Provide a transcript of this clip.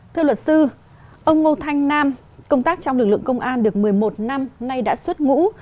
thưa luật sư ông ngô thanh nam công tác trong lực lượng công an được một mươi một năm nay đã xuất ngũ